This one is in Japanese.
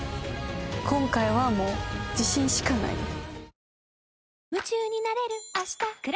今回はもう自信しかないです。